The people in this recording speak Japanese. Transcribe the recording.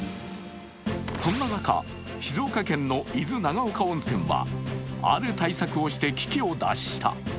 そんな中、静岡県の伊豆長岡温泉はある対策をして危機を脱した。